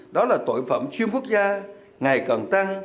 đó là tội phạm chuyên quốc gia ngày càng tăng